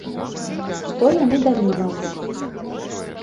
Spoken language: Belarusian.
Што яны далі вам?